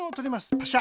パシャ。